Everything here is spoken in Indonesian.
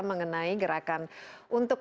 mengenai gerakan untuk